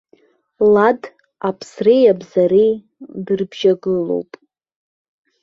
Лад аԥсреи абзареи дырбжьагылоуп!